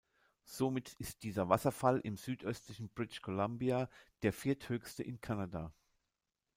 Somit ist dieser Wasserfall im südöstlichen British Columbia der vierthöchste in Kanada.